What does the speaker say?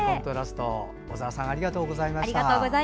小澤さんありがとうございました。